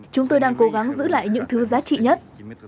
chúng tôi đang cố gắng giữ lại những thứ giá trị nhất